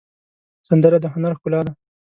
سندره د هنر ښکلا ده